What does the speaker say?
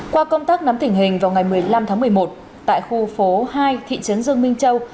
qua công tác nắm tỉnh hình vào ngày một mươi năm tháng một mươi một tại khu phố hai thị trấn dương minh châu